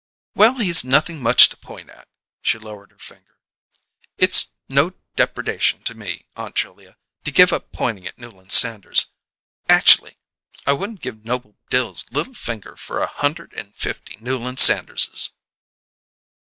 "Well, he's nothing much to point at!" She lowered her finger. "It's no depredation to me, Aunt Julia, to give up pointing at Newland Sanders. Atch'ly, I wouldn't give Noble Dill's little finger for a hunderd and fifty Newland Sanderses!"